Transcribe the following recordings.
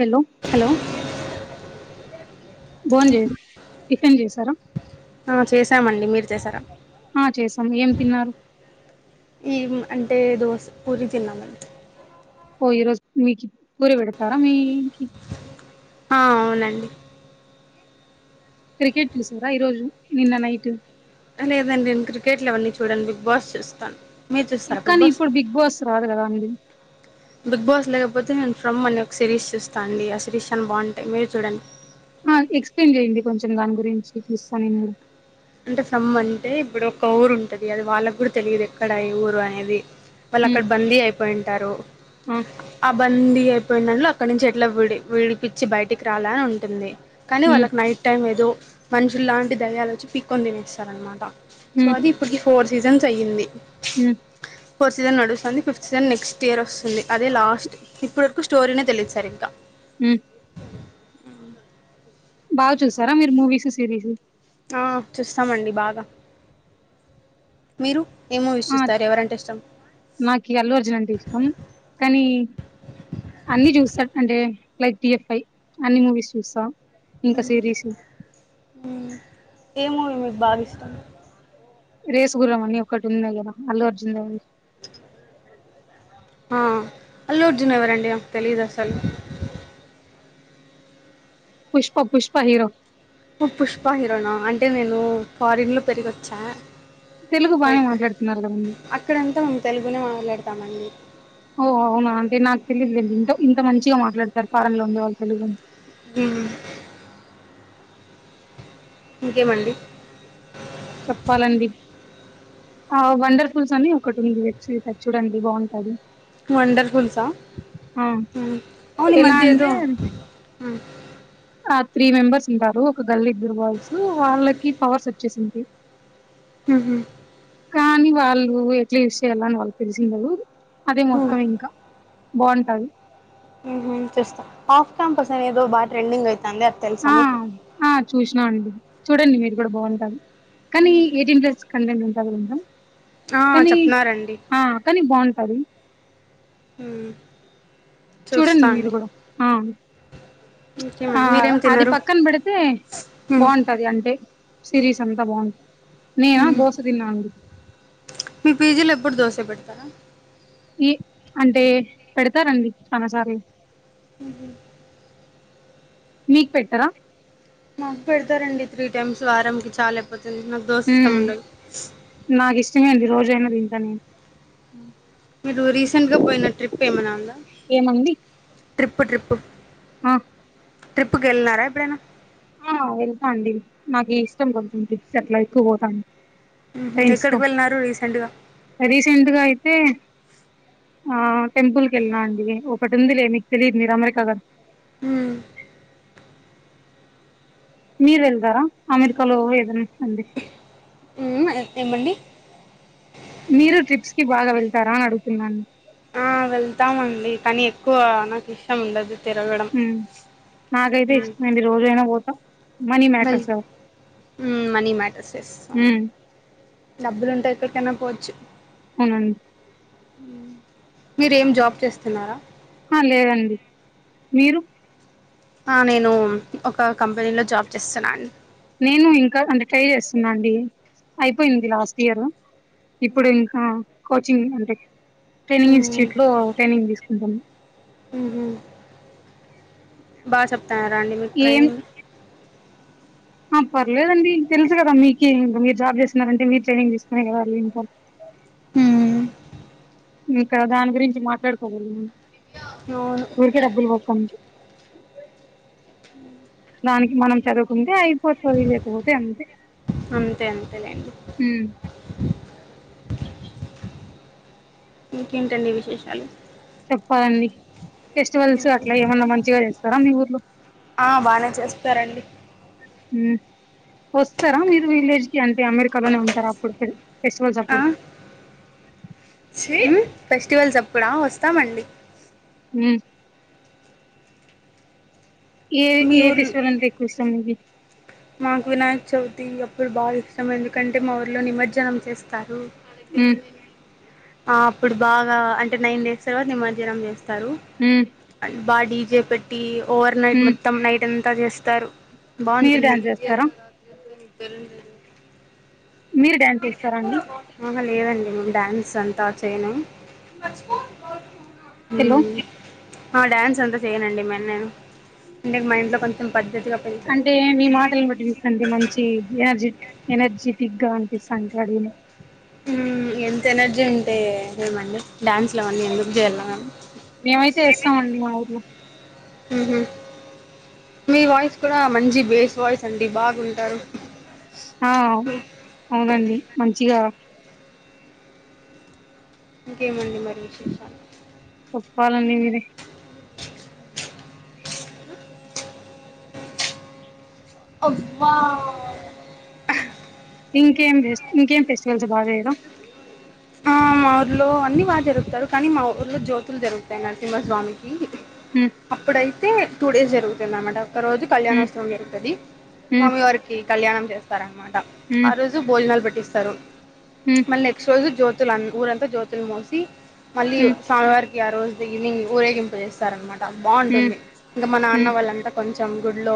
Hello hello బోన్ చే tiffin చేసారా ఆ చేశామండి మీరు చేసారా ఆ చేసాం ఏం తిన్నారు టే దోస పూరి తిన్నామండి ఓ ఈరోజు మీకు పూరి పెడతారా మీ ఆ అవునండి క్రికెట్ చూసార ఈరోజు నిన్న నైట్ లేదండి నేను క్రికెట్లు అవన్నీ చూడాను బిగ్ బాస్ చూస్తాను మీరు చూస్తారా బిగ్ ఇంకానీ బాస్ ఇప్పుడు బిగ్ బాస్ రాదు కదా అండి బిగ్ బాస్ లేకపోతే నేను ఫ్రమ్ అని ఒక సిరీస్ చూస్తా అండి ఆ సిరీస్ చాలా బావుంటాయి మీరు చూడండి ఆ ఎక్స్ప్లెయిన్ చేయ్యడి కొంచెం దాని గురించి చూస్తాను నేను అంటే ఫ్రమ్ అంటే ఇప్పుడు ఒక ఊరు ఉంటది అది వాళ్ళకి కూడా తెలియదు ఎక్కడ ఏ ఊరు అనేది వాళ్ళు ఉమ్ అక్కడ బందీ అయిపోయింటారు ఆ ఆ బందీ పోయినల్లో అక్కడ నుంచి ఎట్లా విడి విడిపించి బయటికి రాల ఉంటుంది కానీ ఉమ్ వాళ్ళకి నైట్ టైం ఏదో మనుషులు లాంటి దెయ్యాలు వచ్చి పిక్కొని తినేస్తారు అనమాట సో ఉమ్ అది ఇప్పటికి ఫోర్స్ సీజన్స్ అయ్యింది ఉమ్ ఫోర్త్ సీజన్ నడుస్తుంది ఫిఫ్త్ సీజన్ నెక్స్ట్ ఇయర్ వస్తుంది అదే లాస్ట్ ఇప్పటి వరకు స్టోరీనే తెలిదు సరిగ్గ మ్ బా చూసారా మీరు మూవీస్ సిరీస్ ఆ చూస్తామండి బాగా మీరు ఏ మూవీస్ ఆ చూస్తార ఎవరంటే ఇష్టం నాకి అల్లు అర్జున్ అంటే ఇష్టం కానీ అన్ని చూస్తా అంటే లైక్ డిఎఫ్ఐ అన్ని మూవీస్ చూస్తా ఇంకా సిరీస్ ఏ మూవీ మీకు బాగా ఇష్టం రేసుగుర్రం అని ఒకటి ఉంది కదా అల్లు అర్జున్ద ఉంది ఆ అల్లు అర్జున్ ఎవరండి నాకు తెలీదు అసలు పుష్ప పుష్ప హీరో పుష్ప హీరోనా అంటే నేను ఫారిన్ లో పెరిగి వచ్చా తెలుగు బానే లైక్ మాట్లాడుతున్నారు కదా మీరు అక్కడంతా మేము తెలుగునే మాట్లాడతామండి ఓ అవునా అంటే నాకు తెలిదుండి ఇ ఇంత మంచిగా మాట్లాడతారు ఫారన్ లో ఉండే వాళ్ళు తెలుగు మ్ ఇంకేమండి చెప్పాలండి ఆ వండర్ఫుల్స్ అని ఒకటి ఉంది వెబ్ సిరీస్ అది చూడండి బావుంటది వండర్ఫుల్సా అవును ఈ ఎలా మధ్య ఏదో అంటే మ్ ఆ త్రీ మెంబెర్స్ ఉంటారు. ఒక గర్ల్ ఇద్దరు బాయ్స్ వాళ్ళకి పవర్స్ వచ్చేసింటాయ్. మ్హు కానీ వాళ్ళు ఎట్లా యూస్ చేయ్యాల అని వాళ్ళకి తెలిసిండదు. అదే మ్మ్. మొత్తం ఇంక. బాంటది. మ్హు చూస్త. ఆఫ్ క్యాంపస్ అనేదో బా ట్రెండింగ్ అయి ఆ ఆ చూసినా అండి. చూడండి మీరు. అది కూడ బాంటది. కానీ ఎయిటీన్ ప్లస్ కంటెంట్ ఉంటది మేడం. ఆ, కానీ చెప్తున్నారండి ఆ, కానీ బాంటది. మ్మ్. చూడండి చూస్తా మీరు అండి కూడ. ఆ. ఆ ఇంకేమండి మీరేం అది తిన్నారు పక్కన పెడితే మ్మ్. బాంటది. అంటే, సిరీస్ అంతా బాగుంది. నేన మ్మ్. దోస తిన్నా అండి. మీ పీజీలో ఎప్పుడు దోసే పెడతారా? ఇ అంటే పెడతారండి. చాన సార్లు. హ మీక్ పెట్టరా? మాకు పెడతారండి త్రీ టైమ్స్ వారంకి చాలయిపో తుంది నాక్ దోస ఉమ్ ఇష్టముండదు. నాకు ఇష్టమే అండి రోజైనా తింటా నేను మీరు రీసెంట్ గా పోయిన ట్రిప్ ఏమైనా ఉందా? ఏమండి ట్రిప్పు, ట్రిప్పు. ఆ ట్రిప్కెళ్ళినార ఎప్పుడైనా? ఆ వెళ్తా అండి. నాకు ఇష్టం కొంచెం టిప్స్ అట్ల ఎక్కువ పోతా మ్హూ ఫ్రెండ్స్ తో, ఎక్కడికి వెళ్ళినారు రీసెంట్గా రీసెంట్గా అయితే, ఆ టెంపుల్కి వెళ్ళిన అండి. ఒకటుందిలే మీకు తెలీదు మీర్ అమెరికా కదా. మ్ మీరు వెళ్దారా అమెరికాలో ఏదైన్న గుడి? మ్ ఏమండి? మీరు ట్రిప్స్ కి బాగా వెళ్తారా అని అడుగుతున్నాను. ఆ వెళ్తామండి. కానీ ఎక్కువ నాకు ఇష్టం ఉండదు. తిరగడం మ్ నాకైతే ఇష్టమే అండి. రోజు అయినా పోతా. Money well. మ్యాటర్స్ కదా మనీ మ్యాటర్స్ ఎస్ అవును. ఉమ్ డబ్బులుంటే ఎక్కడికైనా పోవచ్చు అవును మీరేం జాబ్ చేస్తున్నారా? ఆ లేదండి. మీరు? ఆ నేను ఒక కంపెనీలో జాబ్ చేస్తున్నాను. నేను ఇంకా అంటే ట్రై చేస్తున్నా అండి. అయిపోయింది లాస్ట్ ఇయర్. ఇప్పుడు ఇంకా కోచింగ్. అంటే, ట్రైనింగ్ ఇన్స్టిట్యూట్ లో, ట్రైనింగ్ తీసుకుంటున్న. బా చెప్తాన్నార అండి మీకు ఏం ట్రైనింగ్? ఆ పర్లేదండి. తెలుసు కదా మీకి, ఇబ్బు మీరు జాబ్ చేస్తున్నారంటే మీరు ట్రైనింగ్ తీసుకునే కదా ఎల్లింటారు. అ ఇక్కడ దాని గురించి మాట్లాడుకోకూడదు. అవును ఊరికే డబ్బులు బోక్క అంతె. దానికి మనం చదువుకుని తె అయిపో, చదువు లేకపోతే అంతే. అంతే అంతేలేండి ఇంకేంటండి విశేషలు? పదండి, ఫెస్టివల్స్ అట్లా ఏమన్నా మంచిగా చేస్తారా మీ ఊర్లో? ఆ బానే చేస్తారండి. మ్ వస్తారా మీరు విలేజ్ కి అంటే, అమెరికాలోనే ఉంటారా అప్పుడుకెల్లీ. ఫెస్టివల్స్ అప్పుడు సేమ్ ఫెస్టివల్స్ అప్పుడా వస్తామండి హమ్ ఏ మీ ఏ ఊర్లో ఫశ్వాల అంటే ఎక్కువ ఇస్తాం మీకు మాకు వినాయక చవితి అప్పుడు బాగా ఇష్టం ఎందుకంటే మా ఊర్లో నిమజ్జనం చేస్తారు అ అప్పుడు బాగా అంటే నైన్ డేస్ తర్వాత నిమజ్జనం చేస్తారు ఉమ్ అ బా డీజే పెట్టి ఓవర్ నైట్ ఉమ్ మొత్తం నైట్ అంతా చేస్తారు మీరు బాగుంటుంది డ్యాన్స్ చేస్తారా ఎత్ర రాత్ర అంత తరుం లే మీరు డ్యాన్స్ ఇస్తారా అండి న డ్యాన్స్ అంతా చేయను హలో ఆ డ్యాన్స్ అంతా చేయనండి మరి నేను అంటే మా ఇంట్లో కొంచెం పద్ధతిగా పెంచారు అంటే మీ మాటలను బట్టి చూస్తుంటే మంచి ఎనర్జీ ఎనర్జెటిక్ గా అనిపిస్తుంటడిని ఎంత ఎనర్జీ ఉంటే మేమంీ డ్యాన్స్లోవన్నీ ఎందుకు చేయాలాము మేమైతే ఏస్తామండి మా ఊర్లో ఆహ మీ వాయిస్ కూడా మంచి బేస్ వాయిస్ అండి బాగుంటారు ఆ అవునండి మంచిగా ఇంకేమండి మరి విశేషాలు చెప్పాలంటే మీరే అబ్బా ఇంకేం ఇంకేం ఫెస్టివల్స్ బాగా చేయరా ఆ ఊర్లు లో అన్ని బాగా జరుగుతాారు కానీ మా ఊర్లో జ్యోతులు జరుగుతాయి నరసింహస్వామికి హ్మ్ అప్పుడైతే అయితే టూ డేస్ జరుగుతుంది అనమాట ఒక రోజు హ్మ్ కళ్యాణోత్సవం జరుగుతుంది హ్మ్ స్వామి వారికి కళ్యాణం చేస్తారనమాట ఆ హ్మ్ రోజు భోజనాలు పెట్టిస్తారు హ్మ్ మళ్ళీ నెక్స్ట్ రోజు జ్యోతులు ఊరంతా జ్యోతులు మోసి మళ్ళీ హ్మ్ స్వామివారికి ఆ రోజు ఈనింగ్ ఊరేగింపు చేస్తారనమాట హ్మ్ బాగుంటుంది ఇంకా మన అన్న హ్మ్ వాళ్ళంతా కొంచెం కొంచెం గుడ్లో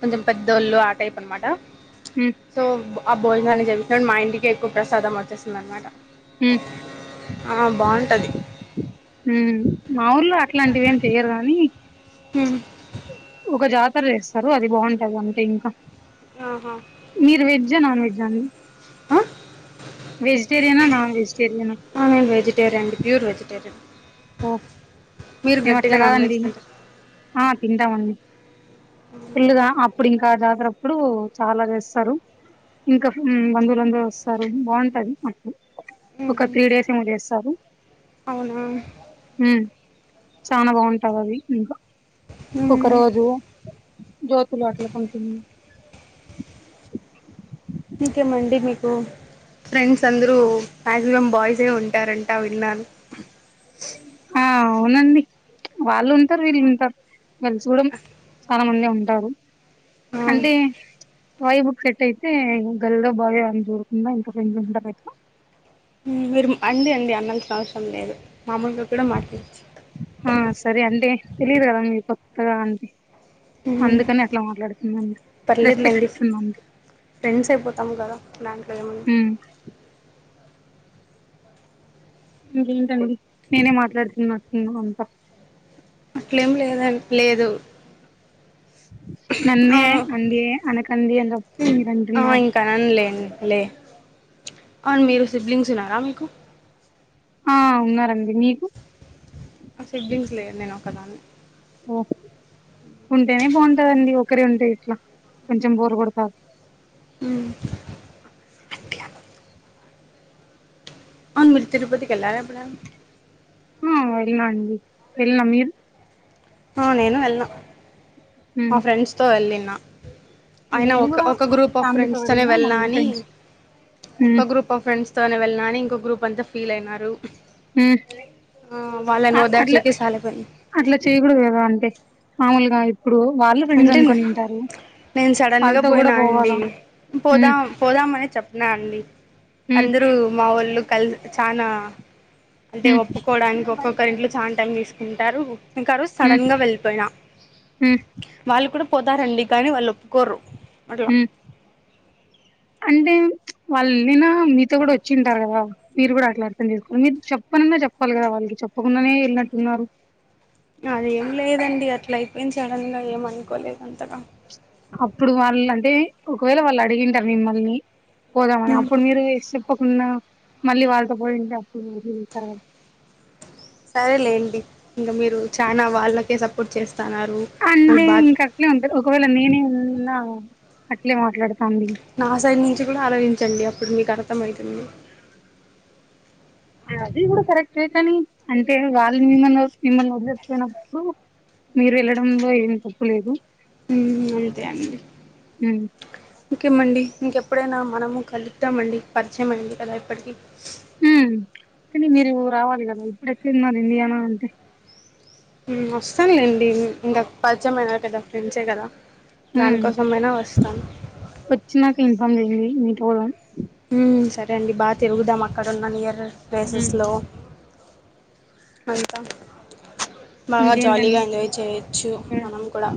కొంచెం పెద్దోళ్ళు ఆ టైప్ అనమాట హ్మ్ సో ఆ భోజనాన్ని చెపినప్పుడు మా ఇంటికే ఎక్కువ ప్రసాదం వచ్చేస్తుంది అనమాట అ ఆ బాగుంటది ఉ మా ఊర్లో అట్లాంటివిేం చెయ్యరు గాని ఒక జాతర చేస్తారు అది బాగుంటది అంటే ఇంకా ఆహా మీరు వెజ్ నాన్ వెజ్ అని వెజిటేరియనా నాన్ వెజిటేరియనా టేరి అయండి ప్యూర్ వెజిటేరియన్ ఓ మీరు మేము గట్టిగా అట్లా నాన్ వెజ్ కాదండి తింటారు ఆ తింటామండి అ ఇప్పుడు చాలా వేస్తారు ఇంకా బంధువులుందరూ వస్తారు బాగుంటది మాడు ఒక త్రీ డేస్ ఏమ చేస్తారు అవునా చాల బాగుంటావు అవి ఇంకా ఒక రోజు జోతుల వాట్ల సథింగ్ ఇంకేమండి మీకు ఫ్రెండ్స్ అందరూ మాక్సిమం బాయ్స్ే ఉంటారంట విన్నాను ఆ అవునండి వాళ్ళు ఉంటారు వీళ్ళు ఉంటారు కలుసుకోవడం చాలా మంది ఉంటారు అంటే వాలీవుడ్ సెట్ అయితే గల్లో బాగా చూరుకుందా ఇంంత రజ ఉంటారు అయితే మీరు అండి అండి అన్నాల్సిన అవసరం లేదు మా అమలుగాారు కూడా మాట్లాచ్చు ఆ సరే అంటే తెలియదు కదా మీకు కొత్తగా అంతే అందుకని అట్లా మాట్లాడుతుందండి రెస్పెక్ట్ పర్లేదులేండి ఇస్తుందండి ఫ్రెండ్స్ అయిపోతాము కదా దాంట్లో ఏముంది ఉమ్ ఇంకేంటండి నేనే మాట్లాడుతున్నట్టున్నా అంతా ఏం లేదు లేదు నన్నేే అవును అండి అనక ఆ ఇంకానండి లేండి లే అవును మేరు సిబ్లింగ్ స్ ఉన్నారా మీకు ఆ ఉన్నారండి మీకు ఆ సిబ్లింగ్స్ లేరు నేను ఒక్క దాన్ని ఓ ఉంటేనే బాగుంటదండి ఒకరి ఉంటే ఎట్లా కొంచెం బోరు కొడతది ఉం అవును మీరు తిరుపతి కి వెళ్ళారా ఎప్పుడయిన ఉం వెల్నా అండి వెళ్నా మీరు ఆ నేను వెల్న మా ఉమ్ ఫ్రెండ్స్ తో వెళ్ళిన ఆయన నేను ఒక కూడా ఒక గ్రూప్ ఆఫ్ ఫ్యామిలీతో ఫ్రెండ్స్ తోనే వెళ్ళినా వెల్లా మళ్ళీ ని ఫ్రెండ్స్ ఉమ్ ఒక గ్రూప్ ఆఫ్ ఫ్రెండ్స్ తోనే వెల్లి నా అని ఇంకో గ్రూప్ అంతా ఫీల్ అయినారు హమ్ ఆ వాళ్ళని ఆ అట్లా ఓదార్చేకి సాలిపోయింది అట్లా చేయకూడదు కదా అంటే మామూలుగా ఇప్పుడు వాళ్ళు ఫ్రెండ్స్ అంటే అనుకునింటారు నేను సడన్ గా పోయినా అండి ఉమ్ పోదాం పోదామ అనే చెప్ప నా అండి ఉమ్ అందరూ మా వాళ్ళు కలి చానా అంటే ఉమ్ ఒప్పుకోడానికి ఒక్కొక్కరి ఇంట్లో చాలా టైం తీసుకుంటారు ఇంకా ఆ రోజు ఉమ్ సడన్గా వెళ్ళిపోయినా ఉమ్ వాళ్ళు కూడా పోతారండి కానీ వాళ్ళు ఒప్పుకోరు అట్లా ఉం అంటే వా వేళ్ళిన మీతో కూడా వచ్చింటారు కదా మీరు కూడా అట్లా అర్థం చేసుకున్నారు మీరు చెప్పనున్నా చెప్పాలి కదా వాళ్ళకి చెప్పకుండానే వెళ్ళినట్టున్నారు అదేం లేదండి అట్లా అయిపోయింది సడన్ గా ఏమనుకోలేదు అంతగా అప్పుడు వాళ్ళు అంటే ఒకవేళ వాళ్ళు అడిగింటారు మిమ్మల్ని పోదామని అప్పుడు మీరు చెప్ప ఉన్న మళ్ళీ వాళ్ళతో పోయింటిే అప్పుడుస్తారు [unintelligible] సరే లేండి ఇంగ మీరు చాన వాళ్ళకే సపోర్ట్ చేస్తన్నారు అంటే మీరు నా అట్లే మాట్లాడుతు నా సైడ్ నుంచి కూడా ఆలోచించండి అప్పుడు మీకు అర్థం అయితుంది అది కూడా కరెక్టే కానీ అంటే వాళ్ళని మిమ్మల్ని మిమ్మల్ని వదిలేసిపోయినప్పుడు మీరు వెళ్ళడంలో ఏం తప్పు లేదు ఉం అంతే అండి ఉమ్ ఇంకేమండి ఇంకెప్పుడైనా మనము కలుద్దామండి పరిచయం అయింది కదా ఇప్పటికీ కాని మీరు రావాలి కదా ఇప్పుడు ఎక్కడున్నారు ఇండియా నా అంటే ఉం వస్తది లేండి ఇంకా పరిచయమైన కదా ఫ్రెండ్సే కదా ఉం దానికోసమైనా వస్తాను వచ్చినాక ఇన్ఫామ్ చేయండి మీతో ఉం సరే అండి బాగా తిరుగుదాం అక్కడున్న నియర్ ఉమ్ ప్లేసెస్లో అంతా బాగా జాలీగా ఇంకేంటండి ఎంజాయ్ చేయొచ్చు ఆ మనం కూడా